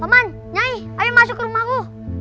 teman nyai ayo masuk ke rumahku